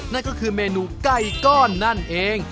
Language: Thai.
นั่นก็คือเมนูไก่ก้อนนั่นเอง